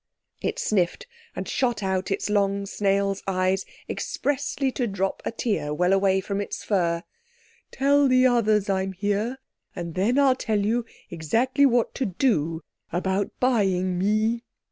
It sniffed, and shot out its long snail's eyes expressly to drop a tear well away from its fur. "Tell the others I'm here, and then I'll tell you exactly what to do about buying me."